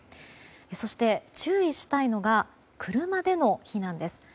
そして、注意したいのが車での避難です。